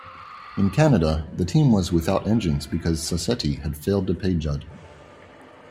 In Canada the team was without engines because Sassetti had failed to pay Judd.